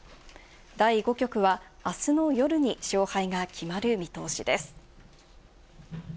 第５局はあすの夜に勝敗が決まる見通しです。